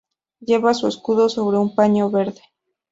Lleva su escudo sobre un paño verde.